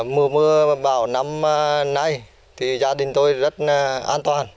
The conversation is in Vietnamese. mưa mưa bảo năm nay gia đình tôi rất an toàn